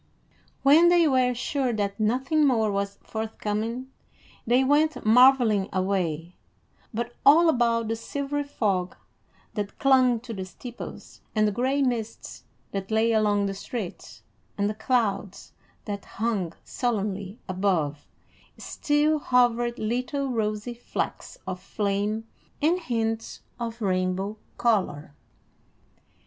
When they were sure that nothing more was forthcoming, they went marveling away; but all about the silvery fog that clung to the steeples, and the gray mists that lay along the streets, and the clouds that hung sullenly above, still hovered little rosy flecks of flame and hints of rainbow color.